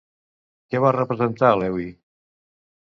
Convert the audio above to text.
Què va representar Lewi?